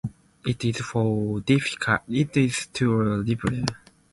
The compressors operate by applying the living force of a large column.